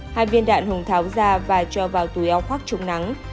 hai viên đạn hùng tháo ra và cho vào túi eo khoác trùng nắng